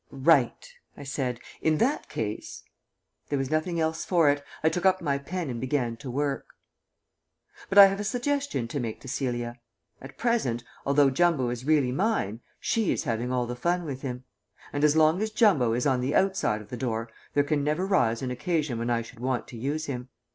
"Right," I said. "In that case " There was nothing else for it; I took up my pen and began to work. But I have a suggestion to make to Celia. At present, although Jumbo is really mine, she is having all the fun with him. And as long as Jumbo is on the outside of the door there can never rise an occasion when I should want to use him.